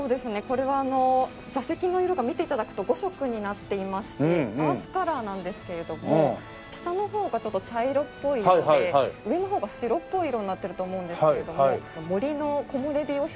これはあの座席の色が見て頂くと５色になっていましてアースカラーなんですけれども下の方がちょっと茶色っぽい色で上の方が白っぽい色になってると思うんですけれども森の木漏れ日を表現しています。